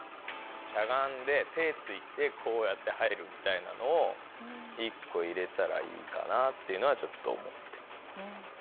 しゃがんで手ついてこうやって入るみたいなのを１こ入れたらいいかなっていうのはちょっと思って。